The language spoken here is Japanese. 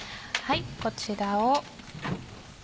こちらを。